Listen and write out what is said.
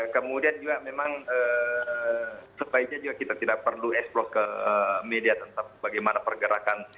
kemudian juga memang sebaiknya juga kita tidak perlu eksplos ke media tentang bagaimana pergerakan